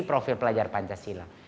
profil pelajar pancasila